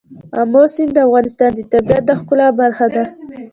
آمو سیند د افغانستان د طبیعت د ښکلا برخه ده.